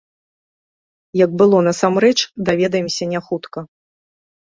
Як было насамрэч, даведаемся, не хутка.